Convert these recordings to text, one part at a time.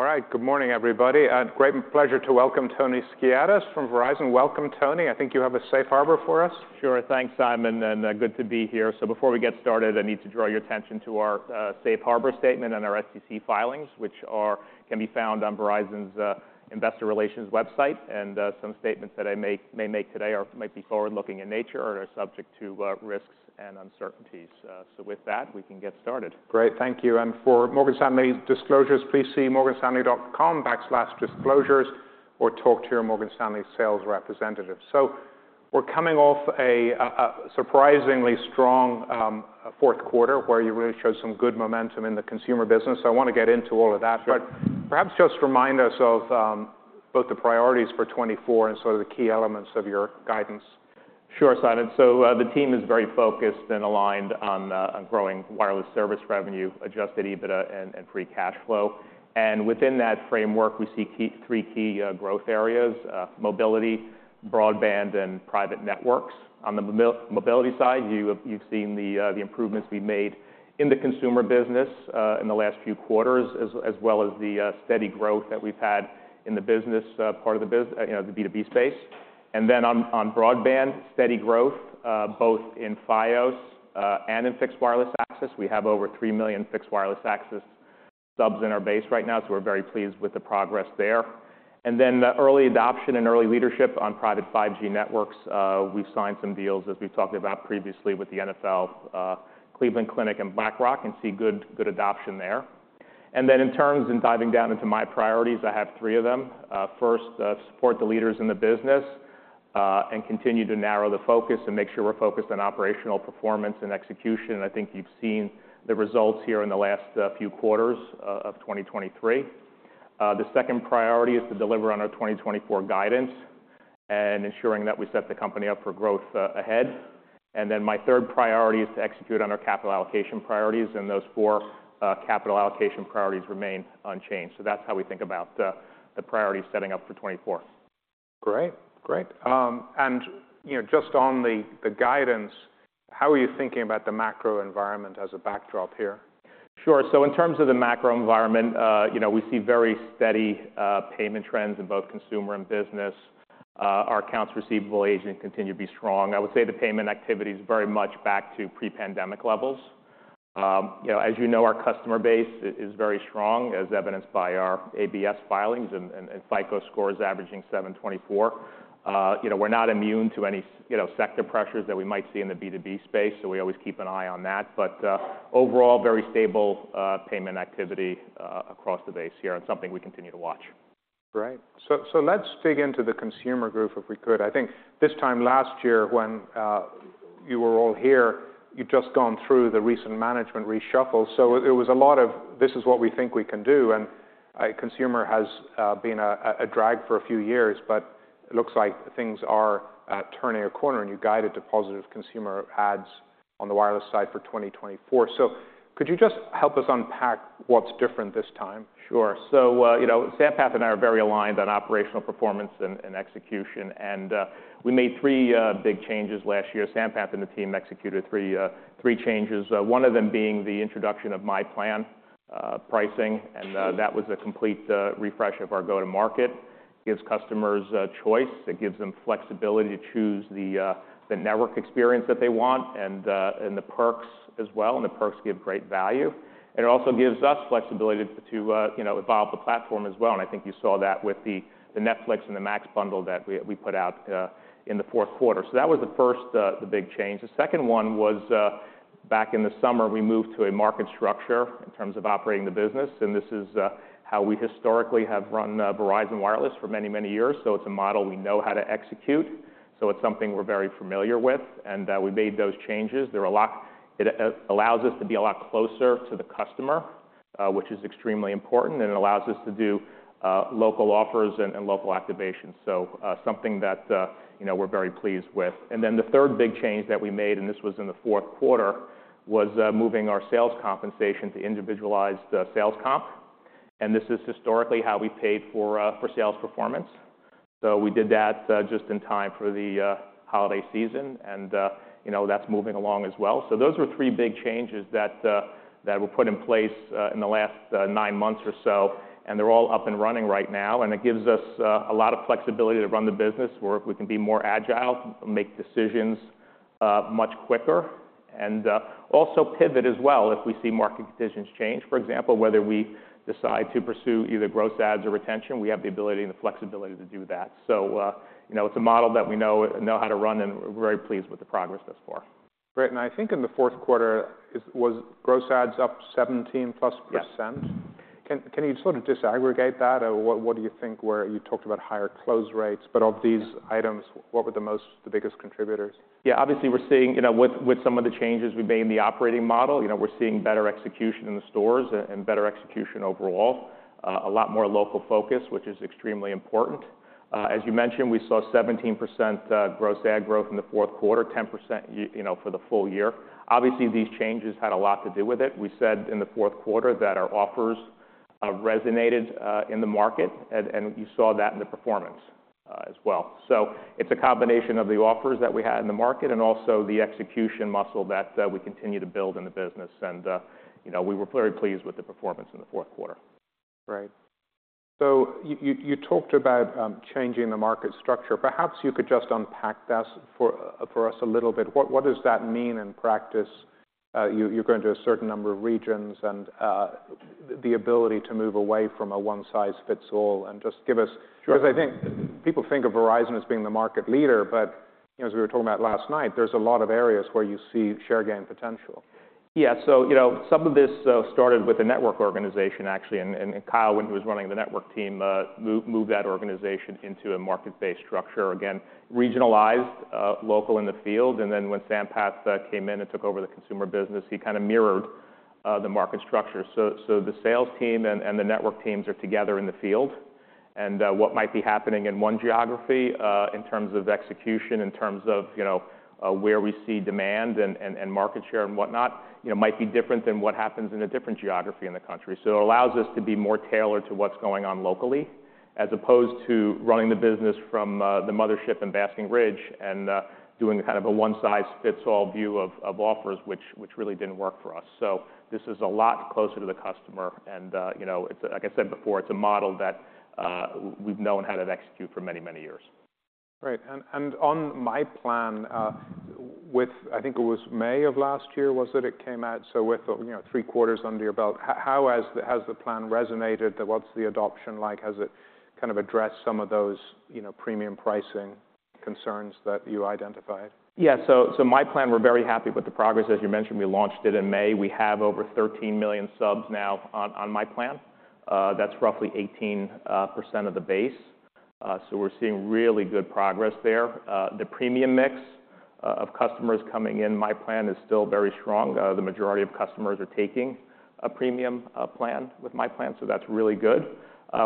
All right, good morning, everybody. Great pleasure to welcome Tony Skiadas from Verizon. Welcome, Tony. I think you have a safe harbor for us. Sure, thanks, Simon, and good to be here. So before we get started, I need to draw your attention to our safe harbor statement and our SEC filings, which can be found on Verizon's Investor Relations website. Some statements that I may make today might be forward-looking in nature or are subject to risks and uncertainties. So with that, we can get started. Great, thank you. For Morgan Stanley disclosures, please see morganstanley.com/disclosures or talk to your Morgan Stanley sales representative. We're coming off a surprisingly strong Q4 where you really showed some good momentum in the consumer business. I wanna get into all of that. Sure. Perhaps just remind us of both the priorities for 2024 and sort of the key elements of your guidance. Sure, Simon. So, the team is very focused and aligned on growing wireless service revenue, adjusted EBITDA, and free cash flow. And within that framework, we see three key growth areas, mobility, broadband, and private networks. On the mobility side, you've seen the improvements we've made in the consumer business in the last few quarters, as well as the steady growth that we've had in the business part of the biz, you know, the B2B space. And then on broadband, steady growth both in Fios and in fixed wireless access. We have over 3 million fixed wireless access subs in our base right now, so we're very pleased with the progress there. And then early adoption and early leadership on private 5G networks. We've signed some deals, as we've talked about previously, with the NFL, Cleveland Clinic and BlackRock and see good, good adoption there. And then in terms in diving down into my priorities, I have three of them. First, support the leaders in the business, and continue to narrow the focus and make sure we're focused on operational performance and execution. And I think you've seen the results here in the last, few quarters, of 2023. The second priority is to deliver on our 2024 guidance and ensuring that we set the company up for growth, ahead. And then my third priority is to execute on our capital allocation priorities. And those four, capital allocation priorities remain unchanged. So that's how we think about, the priorities setting up for 2024. Great, great. You know, just on the guidance, how are you thinking about the macro environment as a backdrop here? Sure. So in terms of the macro environment, you know, we see very steady payment trends in both consumer and business. Our accounts receivable aging continue to be strong. I would say the payment activity is very much back to pre-pandemic levels. You know, as you know, our customer base is very strong, as evidenced by our ABS filings and FICO scores averaging 724. You know, we're not immune to any, you know, sector pressures that we might see in the B2B space, so we always keep an eye on that. But overall, very stable payment activity across the base here and something we continue to watch. Great. So, so let's dig into the consumer group, if we could. I think this time last year when you were all here, you'd just gone through the recent management reshuffle. So it was a lot of, "This is what we think we can do." And, consumer has been a drag for a few years. But it looks like things are turning a corner, and you guided to positive consumer adds on the wireless side for 2024. So could you just help us unpack what's different this time? Sure. So, you know, Sampath and I are very aligned on operational performance and execution. And we made three big changes last year. Sampath and the team executed three changes, one of them being the introduction of myPlan pricing. And that was a complete refresh of our go-to-market. It gives customers choice. It gives them flexibility to choose the network experience that they want and the perks as well. And the perks give great value. And it also gives us flexibility to you know, evolve the platform as well. And I think you saw that with the Netflix and the Max bundle that we put out in the Q4. So that was the first big change. The second one was, back in the summer, we moved to a market structure in terms of operating the business. This is how we historically have run Verizon Wireless for many, many years. So it's a model we know how to execute. So it's something we're very familiar with. And we made those changes. They're a lot; it allows us to be a lot closer to the customer, which is extremely important. And it allows us to do local offers and local activations. So something that, you know, we're very pleased with. And then the third big change that we made, and this was in the Q4, was moving our sales compensation to individualized sales comp. And this is historically how we paid for sales performance. So we did that just in time for the holiday season. And you know, that's moving along as well. So those are three big changes that were put in place in the last nine months or so. They're all up and running right now. It gives us a lot of flexibility to run the business where we can be more agile, make decisions much quicker, and also pivot as well if we see market conditions change. For example, whether we decide to pursue either gross adds or retention, we have the ability and the flexibility to do that. You know, it's a model that we know how to run. We're very pleased with the progress thus far. Great. And I think in the Q4, was gross ads up 17%+? Yes. Can you sort of disaggregate that? What do you think where you talked about higher close rates? But of these items, what were the biggest contributors? Yeah, obviously, we're seeing, you know, with some of the changes we made in the operating model, you know, we're seeing better execution in the stores and better execution overall, a lot more local focus, which is extremely important. As you mentioned, we saw 17% gross add growth in the Q4, 10%, you know, for the full year. Obviously, these changes had a lot to do with it. We said in the Q4 that our offers resonated in the market. And you saw that in the performance, as well. So it's a combination of the offers that we had in the market and also the execution muscle that we continue to build in the business. And, you know, we were very pleased with the performance in the Q4. Great. So you talked about changing the market structure. Perhaps you could just unpack this for us a little bit. What does that mean in practice? You're going to a certain number of regions and the ability to move away from a one-size-fits-all. And just give us. Sure. 'Cause I think people think of Verizon as being the market leader. But, you know, as we were talking about last night, there's a lot of areas where you see share gain potential. Yeah. So, you know, some of this started with the network organization, actually. And Kyle, when he was running the network team, moved that organization into a market-based structure. Again, regionalized, local in the field. And then when Sampath came in and took over the consumer business, he kinda mirrored the market structure. So the sales team and the network teams are together in the field. And what might be happening in one geography, in terms of execution, in terms of, you know, where we see demand and market share and whatnot, you know, might be different than what happens in a different geography in the country. So it allows us to be more tailored to what's going on locally as opposed to running the business from the mothership in Basking Ridge and doing kind of a one-size-fits-all view of offers, which really didn't work for us. So this is a lot closer to the customer. And, you know, it's like I said before, it's a model that we've known how to execute for many, many years. Great. On myPlan, with I think it was May of last year, was it, it came out. So with, you know, three quarters under your belt, how has the plan resonated? What's the adoption like? Has it kind of addressed some of those, you know, premium pricing concerns that you identified? Yeah. So, so myPlan, we're very happy with the progress. As you mentioned, we launched it in May. We have over 13 million subs now on, on myPlan. That's roughly 18% of the base. So we're seeing really good progress there. The premium mix of customers coming in, myPlan is still very strong. The majority of customers are taking a premium plan with myPlan. So that's really good.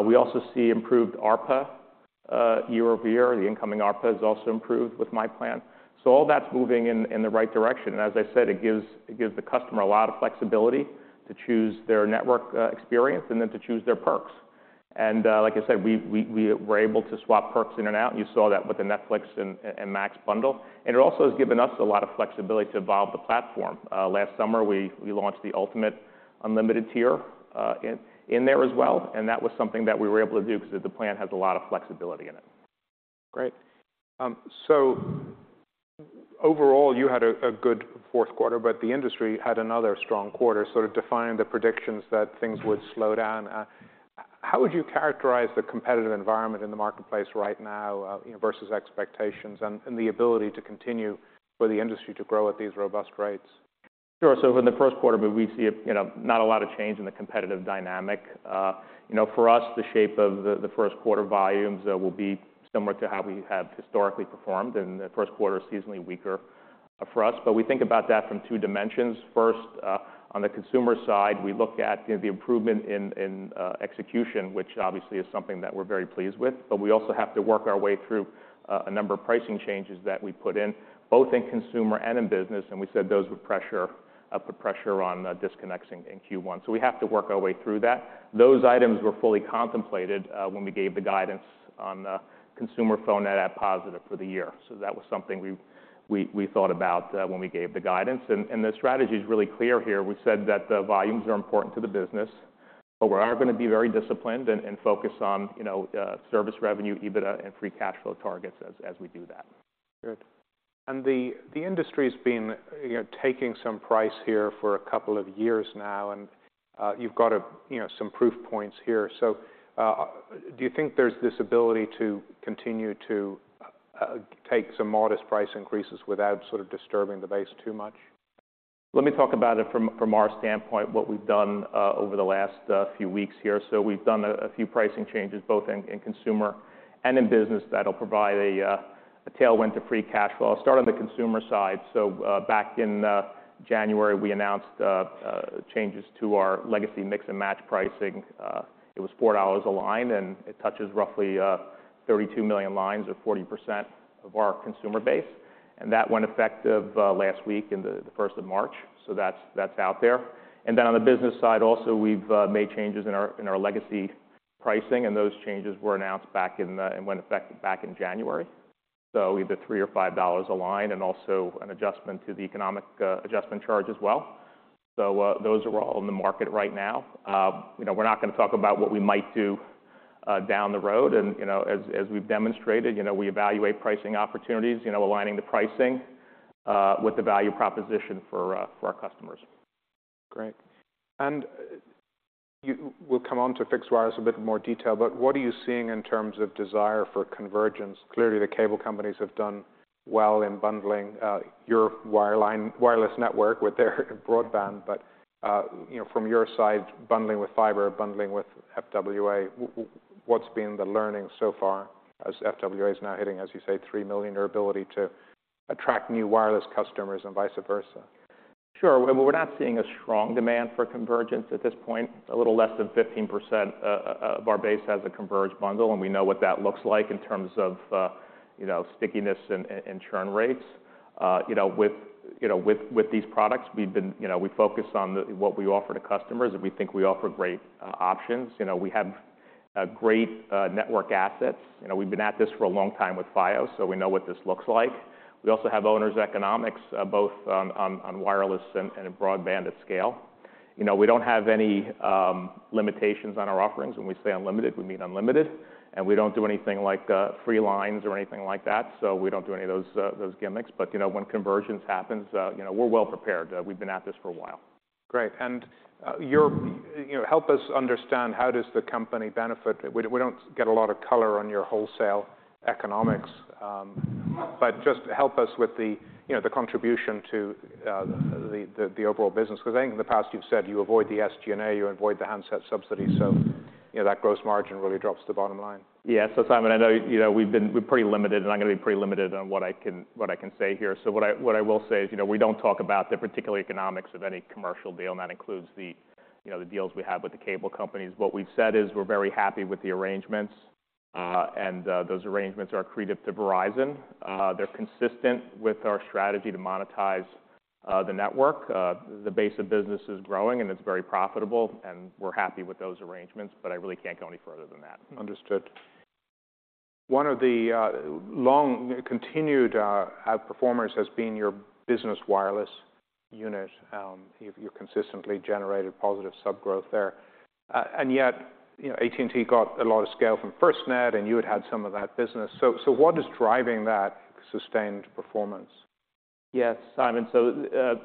We also see improved ARPA year-over-year. The incoming ARPA is also improved with myPlan. So all that's moving in, in the right direction. And as I said, it gives the customer a lot of flexibility to choose their network experience and then to choose their perks. And, like I said, we were able to swap perks in and out. And you saw that with the Netflix and Max bundle. It also has given us a lot of flexibility to evolve the platform. Last summer, we launched the Ultimate Unlimited Tier in there as well. That was something that we were able to do 'cause the plan has a lot of flexibility in it. Great. So overall, you had a good Q4. But the industry had another strong quarter, sort of defying the predictions that things would slow down. How would you characterize the competitive environment in the marketplace right now, you know, versus expectations and the ability to continue for the industry to grow at these robust rates? Sure. So in the Q1, we'd see a, you know, not a lot of change in the competitive dynamic. You know, for us, the shape of the Q1 volumes will be similar to how we have historically performed. And the Q1 is seasonally weaker for us. But we think about that from two dimensions. First, on the consumer side, we look at, you know, the improvement in execution, which obviously is something that we're very pleased with. But we also have to work our way through a number of pricing changes that we put in, both in consumer and in business. And we said those would put pressure on disconnects in Q1. So we have to work our way through that. Those items were fully contemplated when we gave the guidance on consumer phone net add positive for the year. That was something we thought about when we gave the guidance. The strategy is really clear here. We said that the volumes are important to the business. But we are gonna be very disciplined and focus on, you know, service revenue, EBITDA, and free cash flow targets as we do that. Good. And the industry's been, you know, taking some price here for a couple of years now. And, you've got a, you know, some proof points here. So, do you think there's this ability to continue to take some modest price increases without sort of disturbing the base too much? Let me talk about it from our standpoint, what we've done over the last few weeks here. So we've done a few pricing changes, both in consumer and in business, that'll provide a tailwind to free cash flow. I'll start on the consumer side. So back in January, we announced changes to our legacy mix and match pricing. It was $4 a line. And it touches roughly 32 million lines or 40% of our consumer base. And that went effective last week and the 1st of March. So that's out there. And then on the business side also, we've made changes in our legacy pricing. And those changes were announced back in, and went effective back in January. So either $3 or $5 a line and also an adjustment to the economic adjustment charge as well. So, those are all in the market right now. You know, we're not gonna talk about what we might do, down the road. And, you know, as we've demonstrated, you know, we evaluate pricing opportunities, you know, aligning the pricing, with the value proposition for our customers. Great. And you will come on to Fixed Wireless in a bit more detail. But what are you seeing in terms of desire for convergence? Clearly, the cable companies have done well in bundling your wireline wireless network with their broadband. But, you know, from your side, bundling with fiber, bundling with FWA, what's been the learning so far as FWA is now hitting, as you say, 3 million, your ability to attract new wireless customers and vice versa? Sure. Well, we're not seeing a strong demand for convergence at this point. A little less than 15% of our base has a converged bundle. And we know what that looks like in terms of, you know, stickiness and churn rates. You know, with, you know, with these products, we've been, you know, we focus on what we offer to customers. And we think we offer great options. You know, we have great network assets. You know, we've been at this for a long time with Fios. So we know what this looks like. We also have owners' economics, both on wireless and broadband at scale. You know, we don't have any limitations on our offerings. When we say unlimited, we mean unlimited. And we don't do anything like free lines or anything like that. So we don't do any of those gimmicks. But, you know, when convergence happens, you know, we're well prepared. We've been at this for a while. Great. And you, you know, help us understand how does the company benefit? We don't get a lot of color on your wholesale economics. But just help us with the, you know, the contribution to the overall business. 'Cause I think in the past, you've said you avoid the SG&A. You avoid the handset subsidy. So, you know, that gross margin really drops the bottom line. Yeah. So, Simon, I know, you know, we've been we're pretty limited. And I'm gonna be pretty limited on what I can what I can say here. So what I what I will say is, you know, we don't talk about the particular economics of any commercial deal. And that includes the, you know, the deals we have with the cable companies. What we've said is we're very happy with the arrangements, and those arrangements are creative to Verizon. They're consistent with our strategy to monetize the network. The base of business is growing. And it's very profitable. And we're happy with those arrangements. But I really can't go any further than that. Understood. One of the long-continued outperformers has been your business wireless unit. You've consistently generated positive subgrowth there. And yet, you know, AT&T got a lot of scale from FirstNet. And you had had some of that business. So what is driving that sustained performance? Yes, Simon. So,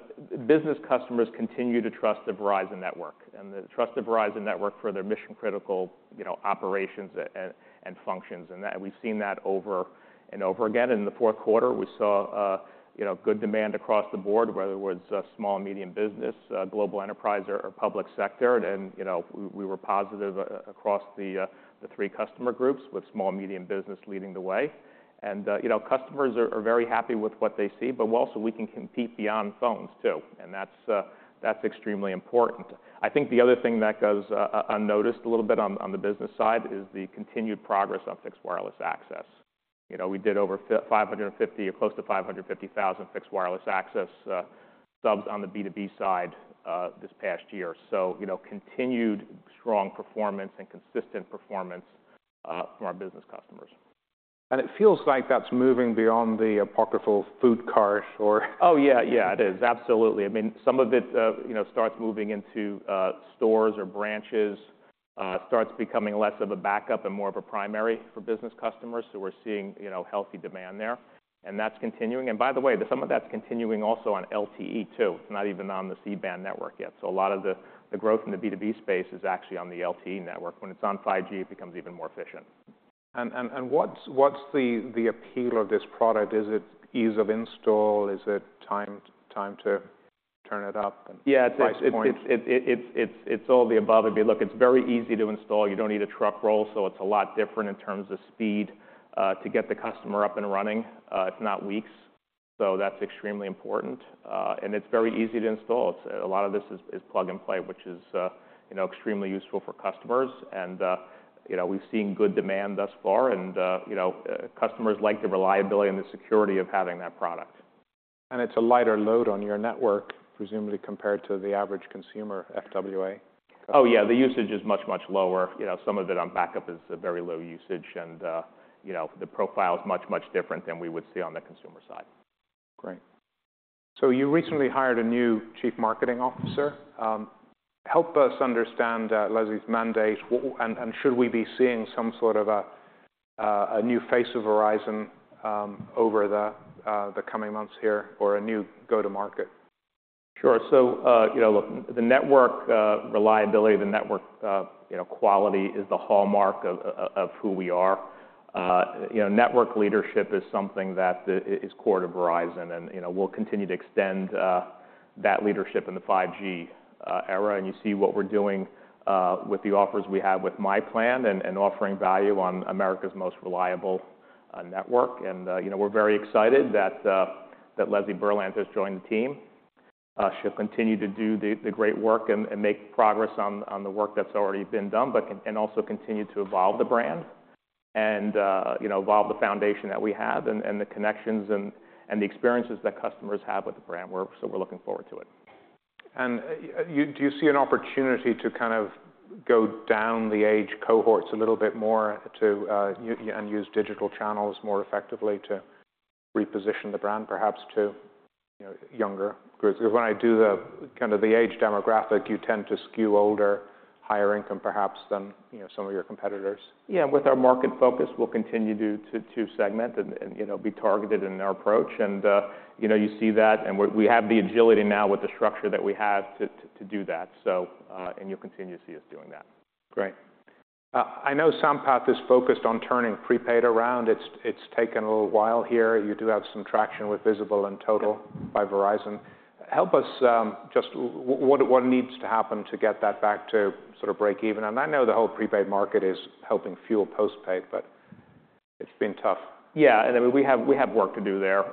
business customers continue to trust the Verizon network and the trust of Verizon network for their mission-critical, you know, operations and functions. And that we've seen that over and over again. In the Q4, we saw, you know, good demand across the board, whether it was small and medium business, global enterprise, or public sector. And, you know, we were positive across the three customer groups with small and medium business leading the way. And, you know, customers are very happy with what they see. But we also can compete beyond phones too. And that's extremely important. I think the other thing that goes unnoticed a little bit on the business side is the continued progress on Fixed Wireless Access. You know, we did over 550,000 Fixed Wireless Access subs on the B2B side this past year. So, you know, continued strong performance and consistent performance from our business customers. It feels like that's moving beyond the apocryphal food cart or. Oh, yeah. Yeah. It is. Absolutely. I mean, some of it, you know, starts moving into stores or branches, starts becoming less of a backup and more of a primary for business customers. So we're seeing, you know, healthy demand there. And that's continuing. And by the way, some of that's continuing also on LTE too. It's not even on the C-Band network yet. So a lot of the growth in the B2B space is actually on the LTE network. When it's on 5G, it becomes even more efficient. And what's the appeal of this product? Is it ease of install? Is it time to turn it up and price point? Yeah. It's all the above. I mean, look, it's very easy to install. You don't need a truck roll. So it's a lot different in terms of speed to get the customer up and running, if not weeks. So that's extremely important. And it's very easy to install. A lot of this is plug and play, which is, you know, extremely useful for customers. And, you know, we've seen good demand thus far. And, you know, customers like the reliability and the security of having that product. It's a lighter load on your network, presumably, compared to the average consumer FWA customer? Oh, yeah. The usage is much, much lower. You know, some of it on backup is a very low usage. And, you know, the profile's much, much different than we would see on the consumer side. Great. So you recently hired a new chief marketing officer. Help us understand Leslie's mandate. What and should we be seeing some sort of a new face of Verizon over the coming months here or a new go-to-market? Sure. So, you know, look, the network reliability, the network, you know, quality is the hallmark of who we are. You know, network leadership is something that is core to Verizon. And, you know, we'll continue to extend that leadership in the 5G era. And you see what we're doing with the offers we have with myPlan and offering value on America's most reliable network. And, you know, we're very excited that Leslie Berland has joined the team. She'll continue to do the great work and make progress on the work that's already been done. But can also continue to evolve the brand and, you know, evolve the foundation that we have and the connections and the experiences that customers have with the brand. We're looking forward to it. Do you see an opportunity to kind of go down the age cohorts a little bit more to younger and use digital channels more effectively to reposition the brand, perhaps, to, you know, younger groups? 'Cause when I do the kind of age demographic, you tend to skew older, higher income, perhaps, than, you know, some of your competitors. Yeah. With our market focus, we'll continue to segment and, you know, be targeted in our approach. And, you know, you see that. And we have the agility now with the structure that we have to do that. So, you'll continue to see us doing that. Great. I know Sampath is focused on turning prepaid around. It's taken a little while here. You do have some traction with Visible and Total by Verizon. Help us, just what needs to happen to get that back to sort of break even? And I know the whole prepaid market is helping fuel postpaid. But it's been tough. Yeah. And, I mean, we have work to do there.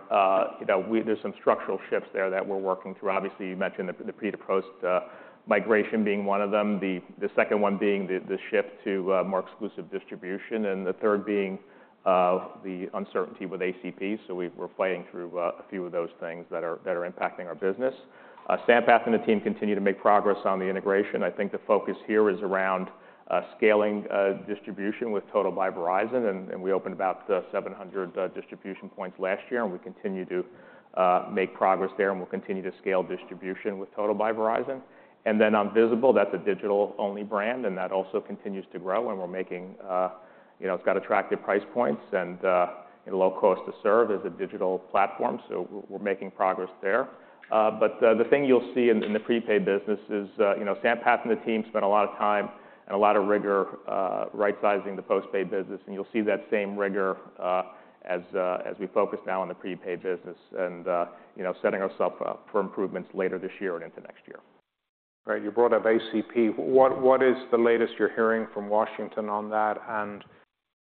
You know, there's some structural shifts there that we're working through. Obviously, you mentioned the pre to post migration being one of them, the second one being the shift to more exclusive distribution, and the third being the uncertainty with ACP. So we're fighting through a few of those things that are impacting our business. Sampath and the team continue to make progress on the integration. I think the focus here is around scaling distribution with Total by Verizon. And we opened about 700 distribution points last year. And we continue to make progress there. And we'll continue to scale distribution with Total by Verizon. And then on Visible, that's a digital-only brand. And that also continues to grow. We're making, you know, it's got attractive price points and, you know, low cost to serve as a digital platform. So we're making progress there. But the thing you'll see in the prepaid business is, you know, Sampath and the team spent a lot of time and a lot of rigor, right-sizing the postpaid business. And you'll see that same rigor, as we focus now on the prepaid business and, you know, setting ourself up for improvements later this year and into next year. Great. You brought up ACP. What is the latest you're hearing from Washington on that? And,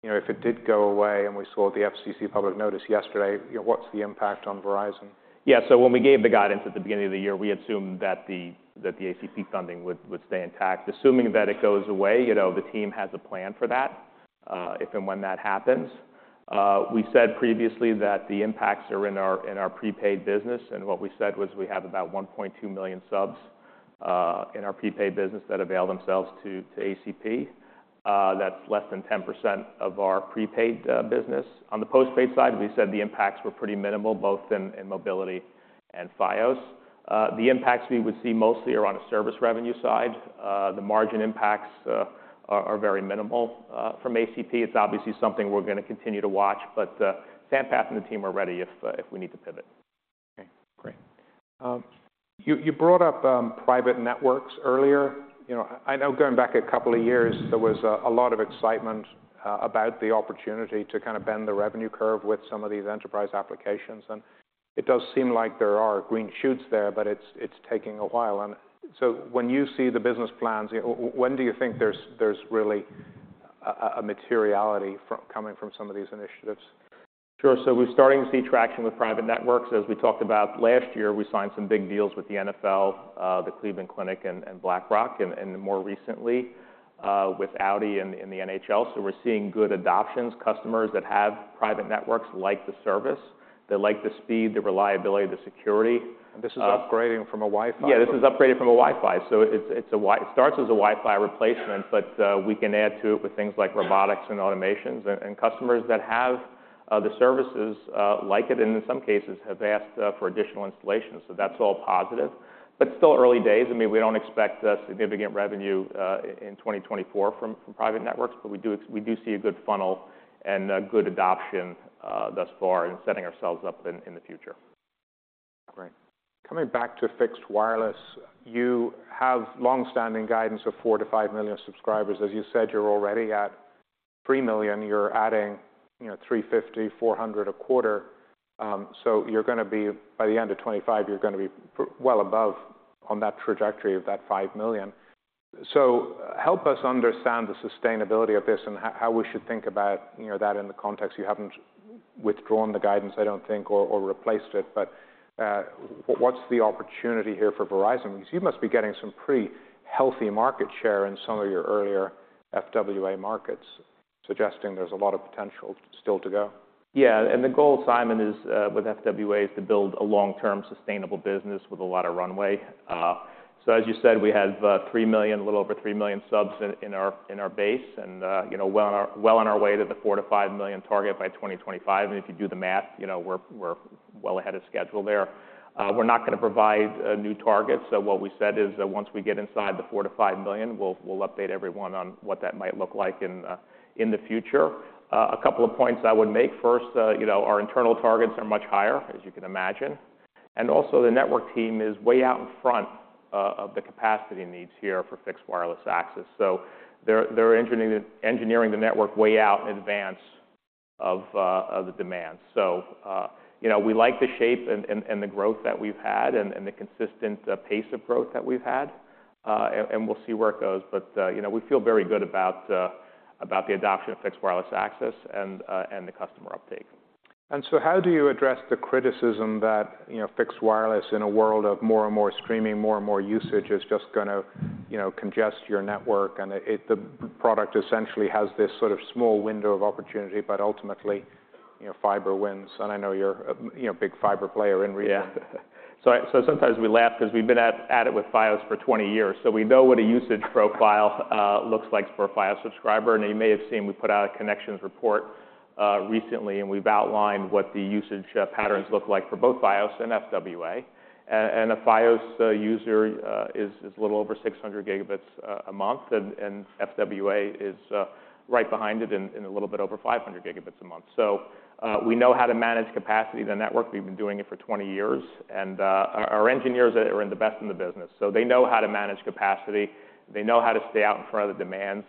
you know, if it did go away and we saw the FCC public notice yesterday, you know, what's the impact on Verizon? Yeah. So when we gave the guidance at the beginning of the year, we assumed that the ACP funding would stay intact. Assuming that it goes away, you know, the team has a plan for that, if and when that happens. We said previously that the impacts are in our prepaid business. And what we said was we have about 1.2 million subs in our prepaid business that avail themselves to ACP. That's less than 10% of our prepaid business. On the postpaid side, we said the impacts were pretty minimal, both in mobility and Fios. The impacts we would see mostly are on the service revenue side. The margin impacts are very minimal from ACP. It's obviously something we're gonna continue to watch. But Sampath and the team are ready if we need to pivot. Okay. Great. You brought up private networks earlier. You know, I know going back a couple of years, there was a lot of excitement about the opportunity to kind of bend the revenue curve with some of these enterprise applications. And it does seem like there are green shoots there. But it's taking a while. And so when you see the business plans, you know, when do you think there's really a materiality coming from some of these initiatives? Sure. So we're starting to see traction with private networks. As we talked about last year, we signed some big deals with the NFL, the Cleveland Clinic, and BlackRock. More recently, with Audi and the NHL. So we're seeing good adoptions, customers that have private networks like the service. They like the speed, the reliability, the security. This is upgrading from a Wi-Fi? Yeah. This is upgrading from a Wi-Fi. So it's a Wi-Fi replacement. But we can add to it with things like robotics and automations. And customers that have the services like it and in some cases have asked for additional installation. So that's all positive. But still early days. I mean, we don't expect significant revenue in 2024 from private networks. But we do see a good funnel and good adoption thus far in setting ourselves up in the future. Great. Coming back to fixed wireless, you have longstanding guidance of 4-5 million subscribers. As you said, you're already at 3 million. You're adding, you know, 350 to 400 a quarter. So you're gonna be by the end of 2025, you're gonna be pretty well above on that trajectory of that 5 million. So help us understand the sustainability of this and how we should think about, you know, that in the context. You haven't withdrawn the guidance, I don't think, or, or replaced it. But, what's the opportunity here for Verizon? 'Cause you must be getting some pretty healthy market share in some of your earlier FWA markets, suggesting there's a lot of potential still to go. Yeah. And the goal, Simon, is, with FWA is to build a long-term sustainable business with a lot of runway. So as you said, we have, 3 million, a little over 3 million subs in, in our in our base. And, you know, well on our well on our way to the 4 to 5 million target by 2025. And if you do the math, you know, we're, we're well ahead of schedule there. We're not gonna provide, new targets. So what we said is, once we get inside the 4 to 5 million, we'll, we'll update everyone on what that might look like in, in the future. A couple of points I would make. First, you know, our internal targets are much higher, as you can imagine. And also, the network team is way out in front, of the capacity needs here for fixed wireless access. So they're engineering the network way out in advance of the demand. So, you know, we like the shape and the growth that we've had and the consistent pace of growth that we've had. And we'll see where it goes. But, you know, we feel very good about the adoption of Fixed Wireless Access and the customer uptake. And so how do you address the criticism that, you know, fixed wireless in a world of more and more streaming, more and more usage is just gonna, you know, congest your network? And it, the product essentially has this sort of small window of opportunity. But ultimately, you know, fiber wins. And I know you're a, you know, big fiber player in region. Yeah. So sometimes we laugh 'cause we've been at it with Fios for 20 years. So we know what a usage profile looks like for a Fios subscriber. And you may have seen we put out a connections report recently. And we've outlined what the usage patterns look like for both Fios and FWA. And a Fios user is a little over 600 gigabytes a month. And FWA is right behind it in a little bit over 500 gigabytes a month. So we know how to manage capacity in the network. We've been doing it for 20 years. And our engineers are the best in the business. So they know how to manage capacity. They know how to stay out in front of the demands.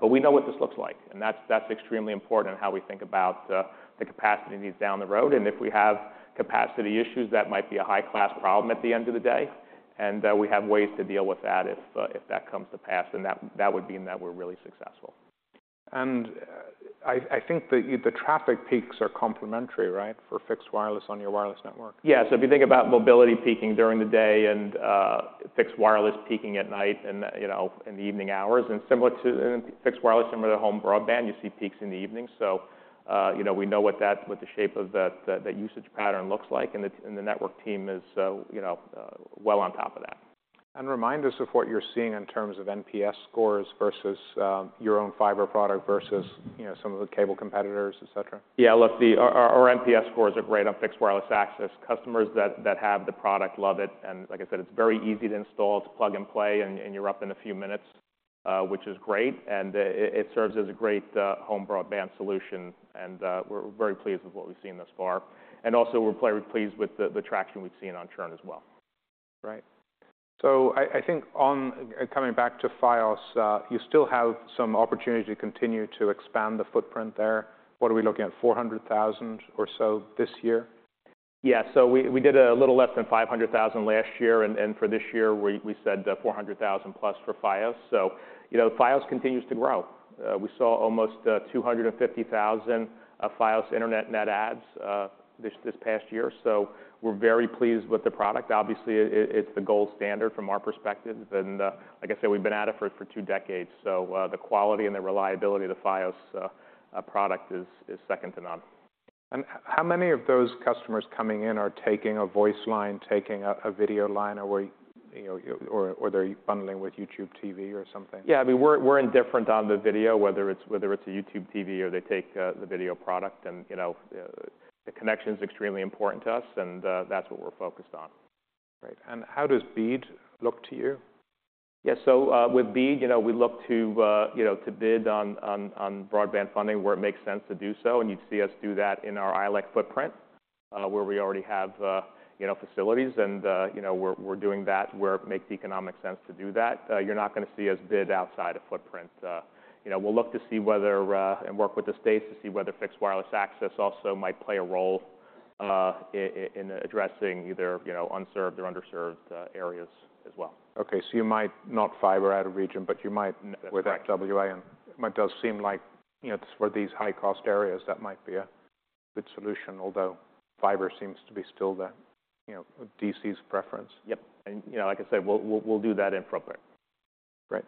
But we know what this looks like. And that's extremely important in how we think about the capacity needs down the road. And if we have capacity issues, that might be a high-class problem at the end of the day. And we have ways to deal with that if that comes to pass. And that would mean that we're really successful. I think the traffic peaks are complementary, right, for fixed wireless on your wireless network? Yeah. So if you think about mobility peaking during the day and fixed wireless peaking at night and, you know, in the evening hours. And similar to fixed wireless, similar to home broadband, you see peaks in the evenings. So, you know, we know what the shape of that usage pattern looks like. And the tech and the network team is, you know, well on top of that. Remind us of what you're seeing in terms of NPS scores versus, your own fiber product versus, you know, some of the cable competitors, etc.? Yeah. Look, our NPS scores are great on Fixed Wireless Access. Customers that have the product love it. And like I said, it's very easy to install. It's plug and play. And you're up in a few minutes, which is great. And it serves as a great home broadband solution. And we're very pleased with what we've seen thus far. And also, we're very pleased with the traction we've seen on churn as well. Great. So I think on coming back to Fios, you still have some opportunity to continue to expand the footprint there. What are we looking at, 400,000 or so this year? Yeah. So we did a little less than 500,000 last year. And for this year, we said 400,000+ for Fios. So, you know, Fios continues to grow. We saw almost 250,000 Fios Internet net adds this past year. So we're very pleased with the product. Obviously, it's the gold standard from our perspective. And, like I said, we've been at it for two decades. So, the quality and the reliability of the Fios product is second to none. How many of those customers coming in are taking a voice line, taking a video line, or where, you know, you or, or they're bundling with YouTube TV or something? Yeah. I mean, we're indifferent on the video, whether it's a YouTube TV or they take the video product. And, you know, the connection's extremely important to us. And, that's what we're focused on. Great. How does BEAD look to you? Yeah. So, with BEAD, you know, we look to, you know, to bid on broadband funding where it makes sense to do so. And you'd see us do that in our ILEC footprint, where we already have, you know, facilities. And, you know, we're doing that where it makes economic sense to do that. You're not gonna see us bid outside of footprint. You know, we'll look to see whether, and work with the states to see whether Fixed Wireless Access also might play a role, in addressing either, you know, unserved or underserved areas as well. Okay. So you might not fiber out of region. But you might with FWA and it might does seem like, you know, for these high-cost areas, that might be a good solution, although fiber seems to be still the, you know, D.C.'s preference. Yep. And, you know, like I said, we'll do that in footprint. Great.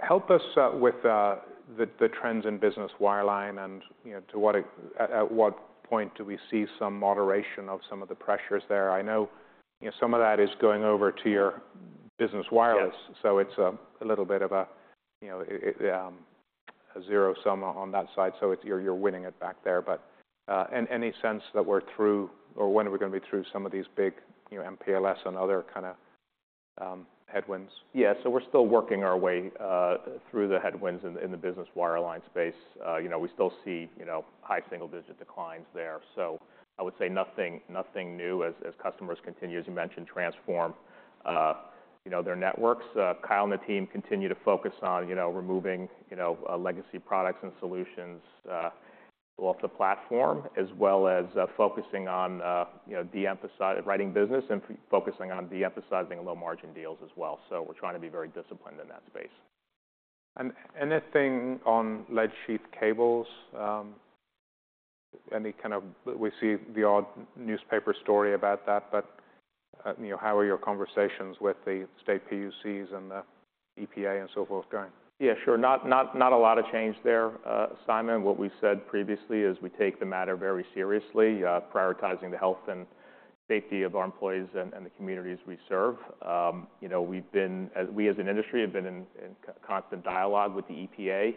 Help us with the trends in business wireline and, you know, to what, at what point do we see some moderation of some of the pressures there? I know, you know, some of that is going over to your business wireless. So it's a little bit of a, you know, it, a zero sum on that side. So it's you're winning it back there. But, any sense that we're through or when are we gonna be through some of these big, you know, MPLS and other kinda headwinds? Yeah. So we're still working our way through the headwinds in the business wireline space. You know, we still see, you know, high single-digit declines there. So I would say nothing new as customers continue, as you mentioned, to transform, you know, their networks. Kyle and the team continue to focus on, you know, removing, you know, legacy products and solutions off the platform as well as focusing on, you know, de-emphasizing wireline business and focusing on de-emphasizing low-margin deals as well. So we're trying to be very disciplined in that space. Anything on lead sheet cables? Any kind of, we see the odd newspaper story about that. But, you know, how are your conversations with the state PUCs and the EPA and so forth going? Yeah. Sure. Not a lot of change there, Simon. What we said previously is we take the matter very seriously, prioritizing the health and safety of our employees and the communities we serve. You know, we've been, as an industry, in constant dialogue with the EPA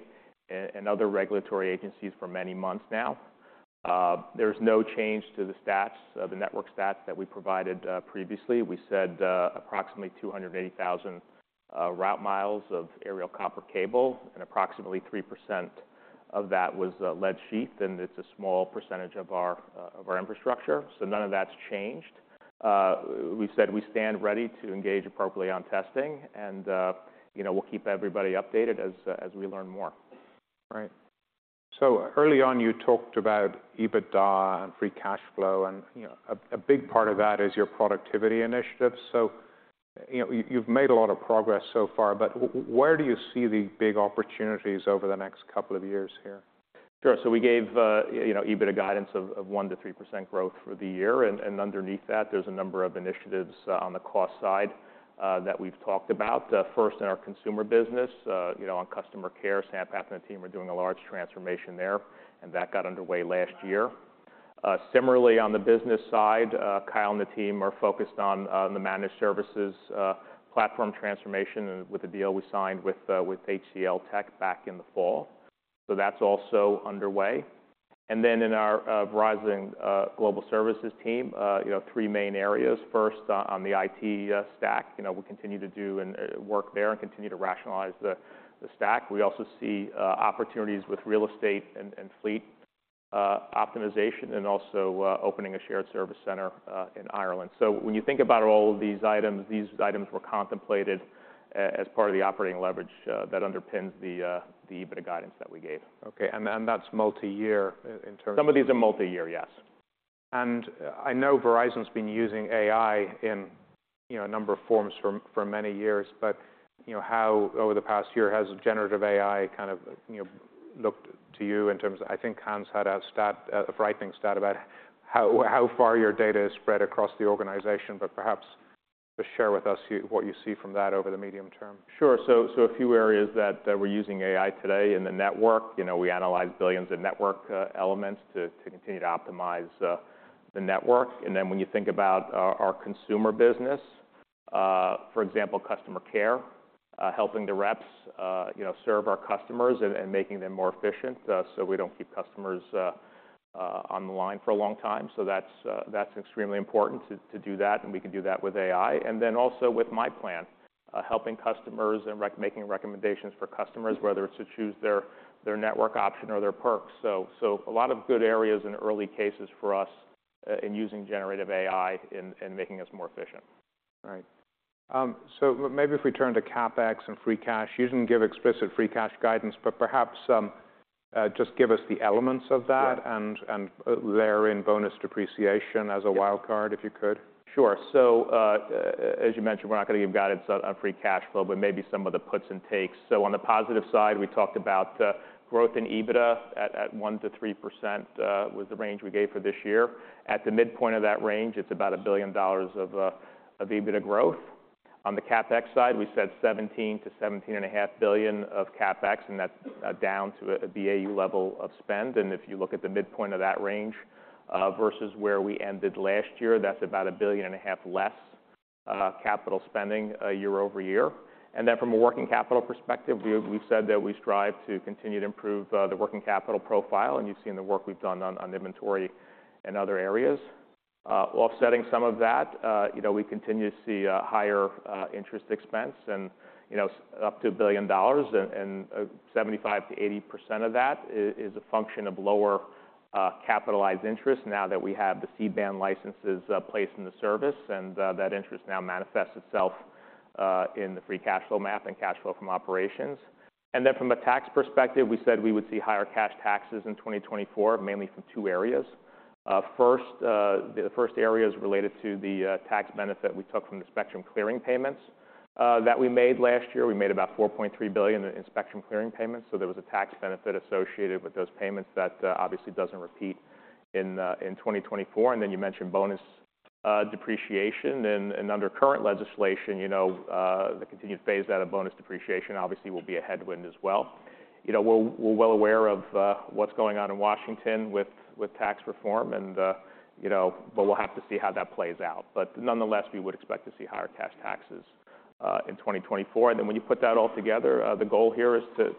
and other regulatory agencies for many months now. There's no change to the stats, the network stats that we provided previously. We said, approximately 280,000 route miles of aerial copper cable. And approximately 3% of that was lead sheet. And it's a small percentage of our infrastructure. So none of that's changed. We said we stand ready to engage appropriately on testing. And, you know, we'll keep everybody updated as we learn more. Great. So early on, you talked about EBITDA and free cash flow. And, you know, a big part of that is your productivity initiatives. So, you know, you've made a lot of progress so far. But where do you see the big opportunities over the next couple of years here? Sure. So we gave, you know, EBITDA guidance of 1% to 3% growth for the year. And underneath that, there's a number of initiatives, on the cost side, that we've talked about. First in our consumer business, you know, on customer care, Sampath and the team are doing a large transformation there. And that got underway last year. Similarly, on the business side, Kyle and the team are focused on the managed services platform transformation and with a deal we signed with HCLTech back in the fall. So that's also underway. And then in our Verizon Global Services team, you know, three main areas. First, on the IT stack. You know, we continue to do and work there and continue to rationalize the stack. We also see opportunities with real estate and fleet optimization and also opening a shared service center in Ireland. So when you think about all of these items, these items were contemplated as part of the operating leverage that underpins the EBITDA guidance that we gave. Okay. And that's multi-year in terms of? Some of these are multi-year, yes. I know Verizon's been using AI in, you know, a number of forms for many years. You know, how over the past year has generative AI kind of, you know, looked to you in terms of, I think Hans had a stat, a frightening stat about how far your data is spread across the organization. Perhaps just share with us what you see from that over the medium term. Sure. So a few areas that we're using AI today in the network. You know, we analyze billions of network elements to continue to optimize the network. And then when you think about our consumer business, for example, customer care, helping the reps you know serve our customers and making them more efficient, so we don't keep customers on the line for a long time. So that's extremely important to do that. And we can do that with AI. And then also with myPlan, helping customers and making recommendations for customers, whether it's to choose their network option or their perks. So a lot of good areas and early cases for us in using generative AI in making us more efficient. Great. So maybe if we turn to CapEx and free cash. You didn't give explicit free cash guidance. But perhaps, just give us the elements of that. Yeah. And layer in bonus depreciation as a wildcard, if you could. Sure. So, as you mentioned, we're not gonna give guidance on free cash flow. But maybe some of the puts and takes. So on the positive side, we talked about growth in EBITDA at 1% to 3%, was the range we gave for this year. At the midpoint of that range, it's about $1 billion of EBITDA growth. On the CapEx side, we said $17 billion to 17.5 billion of CapEx. And that's down to a BAU level of spend. And if you look at the midpoint of that range, versus where we ended last year, that's about $1.5 billion less capital spending, year over year. And then from a working capital perspective, we've said that we strive to continue to improve the working capital profile. And you've seen the work we've done on inventory and other areas. Offsetting some of that, you know, we continue to see higher interest expense. And, you know, is up to $1 billion. And, 75% to 80% of that is a function of lower capitalized interest now that we have the C-band licenses placed in service. And, that interest now manifests itself in the free cash flow P&L and cash flow from operations. And then from a tax perspective, we said we would see higher cash taxes in 2024, mainly from two areas. First, the first area is related to the tax benefit we took from the spectrum clearing payments that we made last year. We made about $4.3 billion in spectrum clearing payments. So there was a tax benefit associated with those payments that obviously doesn't repeat in 2024. And then you mentioned bonus depreciation. Under current legislation, you know, the continued phase out of bonus depreciation obviously will be a headwind as well. You know, we're well aware of what's going on in Washington with tax reform. But we'll have to see how that plays out. But nonetheless, we would expect to see higher cash taxes in 2024. And then when you put that all together, the goal here is to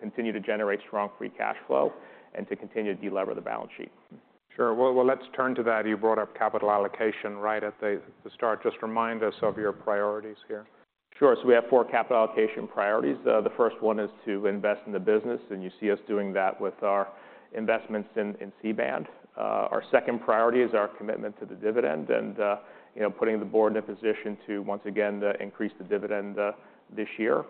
continue to generate strong free cash flow and to continue to delever the balance sheet. Sure. Well, let's turn to that. You brought up capital allocation right at the start. Just remind us of your priorities here. Sure. So we have four capital allocation priorities. The first one is to invest in the business. And you see us doing that with our investments in, in C-Band. Our second priority is our commitment to the dividend and, you know, putting the board in a position to, once again, increase the dividend, this year.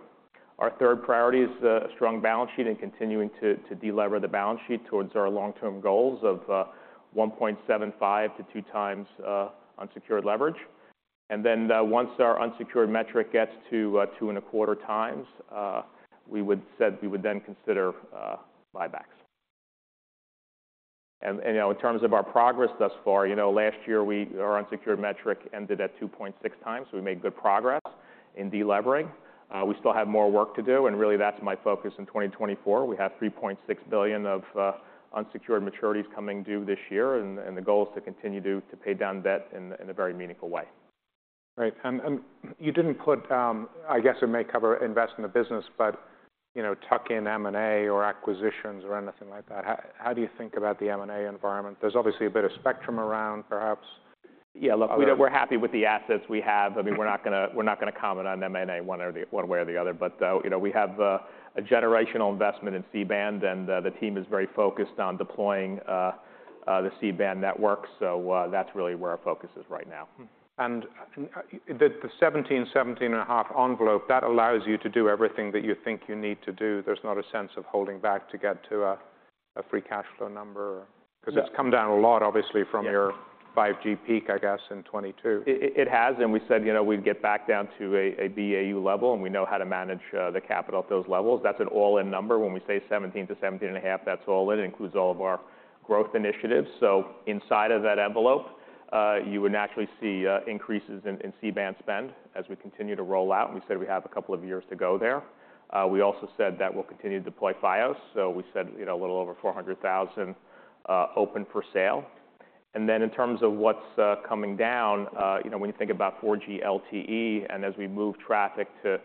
Our third priority is, a strong balance sheet and continuing to, to delever the balance sheet towards our long-term goals of, 1.75x to 2x, unsecured leverage. And then, once our unsecured metric gets to, 2.25x, we would said we would then consider, buybacks. And, and, you know, in terms of our progress thus far, you know, last year, we our unsecured metric ended at 2.6x. So we made good progress in delevering. We still have more work to do. And really, that's my focus in 2024. We have $3.6 billion of unsecured maturities coming due this year. And the goal is to continue to pay down debt in a very meaningful way. Great. You didn't put, I guess it may cover invest in the business. But, you know, tuck in M&A or acquisitions or anything like that. How do you think about the M&A environment? There's obviously a bit of spectrum around, perhaps. Yeah. Look, we don't, we're happy with the assets we have. I mean, we're not gonna comment on M&A one way or the other. But, you know, we have a generational investment in C-Band. And, the team is very focused on deploying the C-Band network. So, that's really where our focus is right now. The 17.5 envelope allows you to do everything that you think you need to do. There's not a sense of holding back to get to a free cash flow number. Yes. 'Cause it's come down a lot, obviously, from your 5G peak, I guess, in 2022. It has. And we said, you know, we'd get back down to a BAU level. And we know how to manage the capital at those levels. That's an all-in number. When we say 17 to 17.5, that's all in. It includes all of our growth initiatives. So inside of that envelope, you would naturally see increases in C-Band spend as we continue to roll out. And we said we have a couple of years to go there. We also said that we'll continue to deploy Fios. So we said, you know, a little over 400,000 open for sale. And then in terms of what's coming down, you know, when you think about 4G LTE and as we move traffic to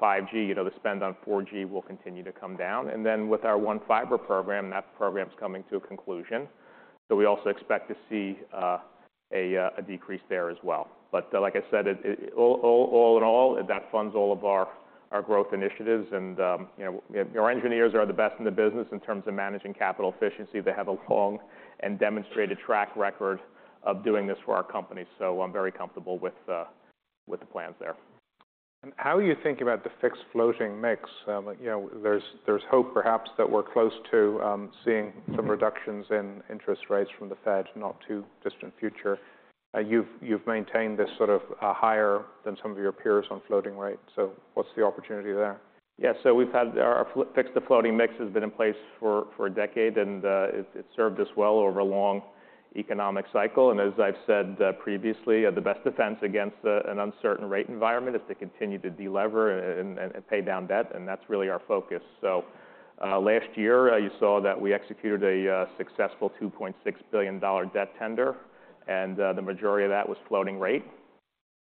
5G, you know, the spend on 4G will continue to come down. And then with our One Fiber program, that program's coming to a conclusion. So we also expect to see a decrease there as well. But, like I said, it all in all, that funds all of our growth initiatives. And, you know, your engineers are the best in the business in terms of managing capital efficiency. They have a long and demonstrated track record of doing this for our company. So I'm very comfortable with the plans there. How do you think about the fixed floating mix? You know, there's hope, perhaps, that we're close to seeing some reductions in interest rates from the Fed not too distant future. You've maintained this sort of higher than some of your peers on floating rate. So what's the opportunity there? Yeah. So we've had our fixed-to-floating mix has been in place for a decade. And it's served us well over a long economic cycle. And as I've said previously, the best defense against an uncertain rate environment is to continue to delever and pay down debt. And that's really our focus. So last year, you saw that we executed a successful $2.6 billion debt tender. And the majority of that was floating rate.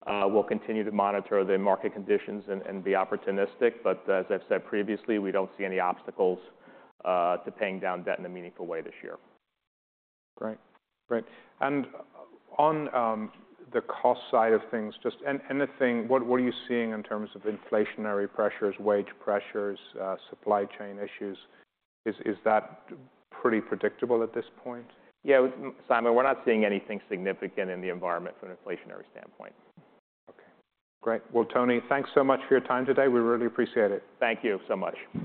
We'll continue to monitor the market conditions and be opportunistic. But as I've said previously, we don't see any obstacles to paying down debt in a meaningful way this year. Great. Great. And on the cost side of things, just anything, what are you seeing in terms of inflationary pressures, wage pressures, supply chain issues? Is that pretty predictable at this point? Yeah. Simon, we're not seeing anything significant in the environment from an inflationary standpoint. Okay. Great. Well, Tony, thanks so much for your time today. We really appreciate it. Thank you so much.